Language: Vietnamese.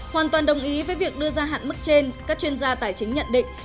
hoàn toàn đồng ý với việc đưa ra hạn mức trên các chuyên gia tài chính nhận định